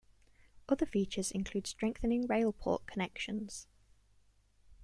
Other features include strengthening rail-port connections.